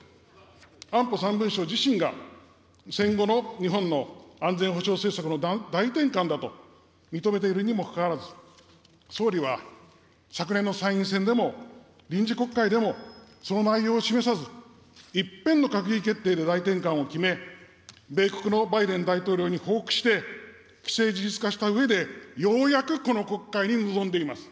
安保３文書自身が、戦後の日本の安全保障政策の大転換だと、認めているにもかかわらず、総理は昨年の参院選でも臨時国会でも、その内容を示さず、一片の閣議決定で大転換を決め、米国のバイデン大統領に報告して、既成事実化したうえで、ようやくこの国会に臨んでいます。